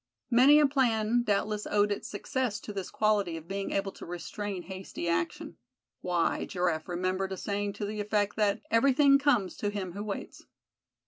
Many a plan doubtless owed its success to this quality of being able to restrain hasty action; why, Giraffe remembered a saying to the effect that "everything comes to him who waits."